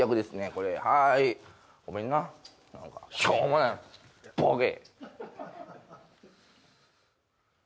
これはーいごめんなチッ何かしょうもないチッボケ！